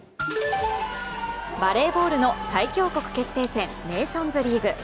バレーボールの最強国決定戦ネーションズリーグ。